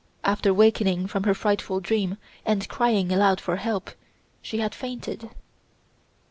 After wakening from her frightful dream and crying aloud for help, she had fainted.